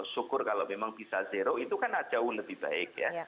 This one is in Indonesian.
syukur kalau memang bisa zero itu kan jauh lebih baik ya